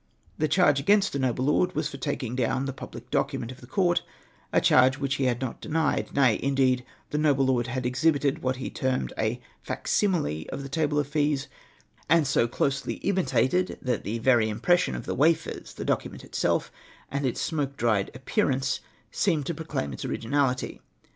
The charge against the noble lord was for taking down the public document of the court, a charge which he had not denied, nay, indeed, the noble lord had exhil)ited what he termed a fac simile of the table of fees, and so closely imitated, that the very impression of the wafers — the document itself, and its smoke dried aj^pear ance, seemed to jDroclaim its originality.